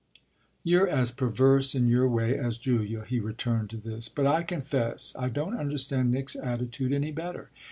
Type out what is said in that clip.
"You're as perverse, in your way, as Julia," he returned to this. "But I confess I don't understand Nick's attitude any better.